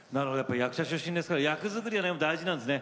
役者出身ですから役作りは大事なんですね。